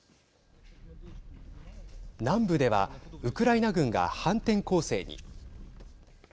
南部ではウクライナ軍が反転攻勢に。